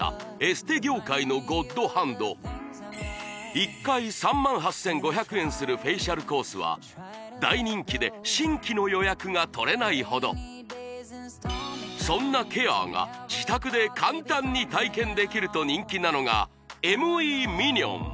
１回３８５００円するフェイシャルコースは大人気で新規の予約が取れないほどそんなケアが自宅で簡単に体験できると人気なのがＭＥミニョン